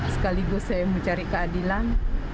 sekaligus saya mencari keadilan